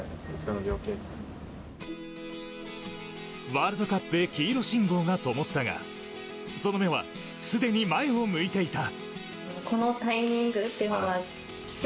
ワールドカップへ黄色信号がともったがその目はすでに前を向いていた。